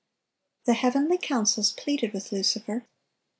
The heavenly councils pleaded with Lucifer.